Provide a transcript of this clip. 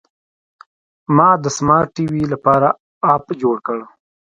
ما د سمارټ ټي وي لپاره اپ جوړ کړ.